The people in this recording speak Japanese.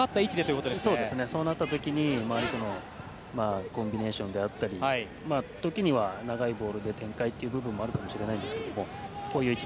そうなった時に周りとのコンビネーションだったり時には長いボールで展開という部分もあるかもしれませんが。